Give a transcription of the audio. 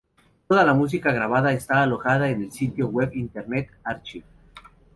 Toda la música grabada está alojada en el sitio web Internet archive.